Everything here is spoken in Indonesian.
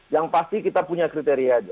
yang pasti kita punya kriteria aja